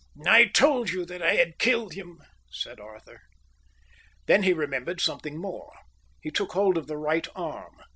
"I told you that I had killed him," said Arthur. Then he remembered something more. He took hold of the right arm.